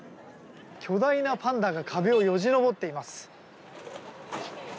巨大なパンダが壁をよじ登っています。